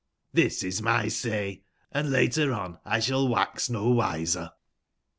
XTbis is my say, and later on 1 shall wax no wiser.